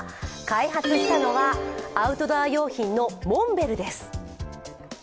開発したのはアウトドア用品のモンベルです。